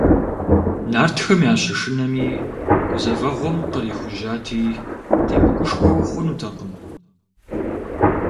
Нартхэм ящышынэми, гузэвэгъуэм кърихужьати, темыгушхуэу хъунутэкъым.